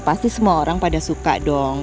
pasti semua orang pada suka dong